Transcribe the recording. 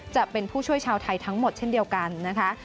จะเป็นผู้ช่วยชาวไทยทั้งหมดเช่นเดียวกันนะคะ